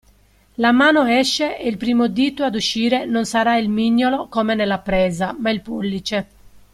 La mano esce ed il primo dito ad uscire non sarà il mignolo come nella presa, ma il pollice.